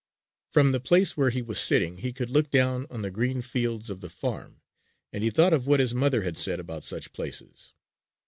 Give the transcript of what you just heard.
From the place where he was sitting he could look down on the green fields of the farm, and he thought of what his mother had said about such places.